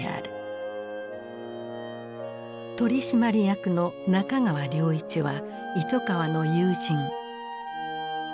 取締役の中川良一は糸川の友人。